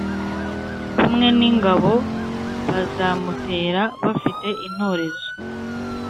Kumwe n ingabo bazamutera bafite intorezo